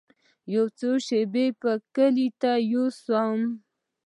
يو څو شپې به کلي ته يوسم.